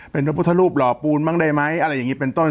เป็นพระพุทธรูปหล่อปูนบ้างได้ไหมอะไรอย่างนี้เป็นต้น